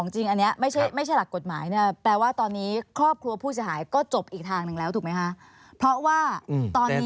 จบที่ศาลชั้นต้นแล้วไหม